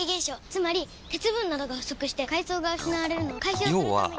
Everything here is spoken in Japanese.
つまり鉄分などが不足して藻が失われるのを解消するためにつだけだよ